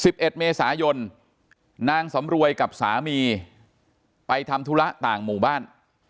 เอ็ดเมษายนนางสำรวยกับสามีไปทำธุระต่างหมู่บ้าน